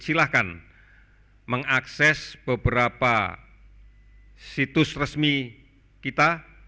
silahkan mengakses beberapa situs resmi kita